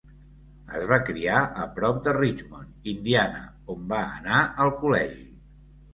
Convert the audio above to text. Es va criar a prop de Richmond, Indiana, on va anar al col·legi.